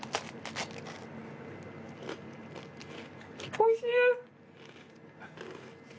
おいしい！